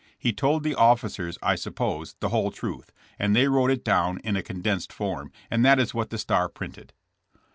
He told the officers, I suppose, the whole truth, and they wrote it down in a condensed form, and that is what The Star printed.'